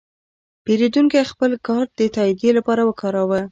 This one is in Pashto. پیرودونکی خپل کارت د تادیې لپاره وکاراوه.